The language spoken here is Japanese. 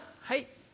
はい。